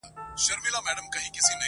ما لېمه درته فرش کړي ما مي سترګي وې کرلي-